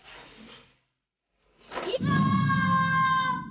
anda bisa mengingatkan kepadamu